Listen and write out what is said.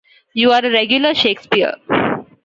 You're a regular Shakespeare!